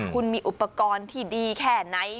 คุณมีอุปกรณ์ที่ดีแค่ไหน